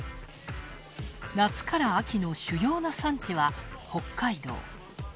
夏から秋の主要な産地は北海道。